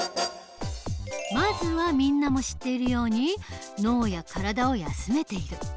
まずはみんなも知っているように脳や体を休めている。